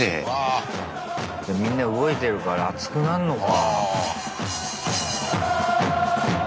みんな動いてるから暑くなんのか。